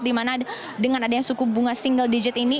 di mana dengan adanya suku bunga single digit ini